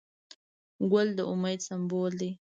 ګل د امید سمبول دی.